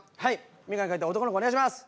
眼鏡かけた男の子お願いします。